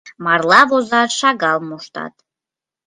Марла возаш шагал моштат.